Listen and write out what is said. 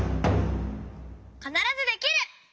「かならずできる！」。